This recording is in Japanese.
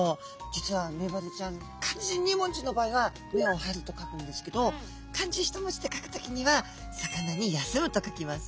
実はメバルちゃん漢字２文字の場合は「目を張る」と書くんですけど漢字１文字で書く時には「魚」に「休む」と書きます。